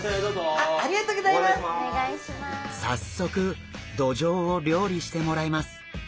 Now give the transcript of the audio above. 早速ドジョウを料理してもらいます。